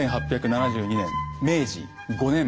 １８７２年明治５年。